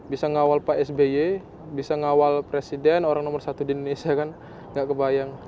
bisa ngawal pak sby bisa ngawal presiden orang nomor satu di indonesia kan gak kebayang